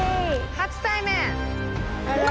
初対面。